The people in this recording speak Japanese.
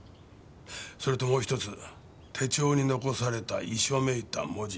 それともう１つ手帳に残された遺書めいた文字。